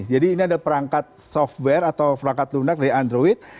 jadi ini ada perangkat software atau perangkat lunak dari android